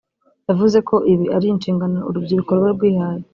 yavuze ko ibi ari inshingano urubyiruko ruba rwihaye